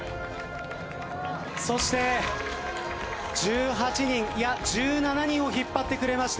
そして１８人いや１７人を引っ張ってくれました。